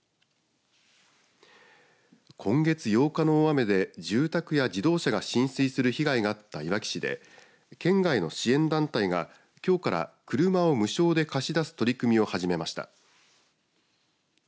今月８日の大雨で住宅や自動車が浸水する被害があったいわき市で県外の支援団体が、きょうから車を無償で貸し出す取り組みを始めました。